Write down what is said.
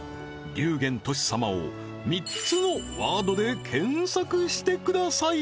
龍玄とし様を３つのワードで検索してください